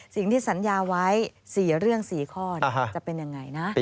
สิ่งที่สัญญาไว้๔เรื่อง๔ข้อจะเป็นยังไงนะ